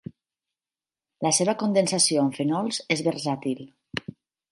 La seva condensació amb fenols és versàtil.